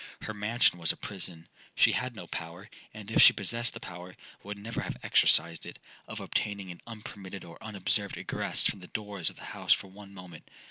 Her mansion was a prison—she had no power (and if she possessed the power, would never have exercised it) of obtaining an unpermitted or unobserved egress from the doors of the house for one moment.